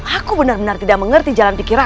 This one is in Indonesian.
aku benar benar tidak mengerti jalan pikiran